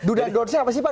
duda ndonsnya apa sih pak